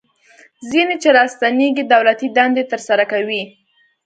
ځینې چې راستنیږي دولتي دندې ترسره کوي.